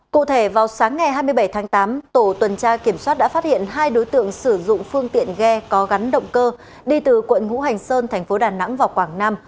cụ thể vào sáng ngày hai mươi bảy tháng tám tổ tuần tra kiểm soát đã phát hiện hai đối tượng sử dụng phương tiện ghe có gắn động cơ đi từ quận ngũ hành sơn thành phố đà nẵng vào quảng nam